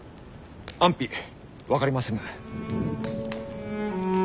安否分かりませぬ。